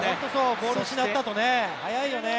ボールを失ったあと速いよね。